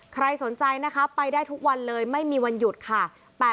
ใครสนใจนะคะไปได้ทุกวันเลยไม่มีวันหยุดค่ะ